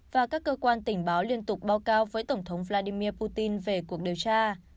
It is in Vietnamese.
và các cơ quan tỉnh báo liên tục báo cao với tổng thống vladimir putin về cuộc điều tra